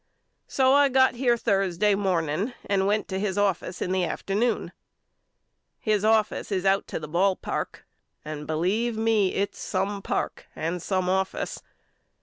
So I got here Thursday morning and went to his office in the afternoon. His office is out to the ball park and believe me its some park and some office.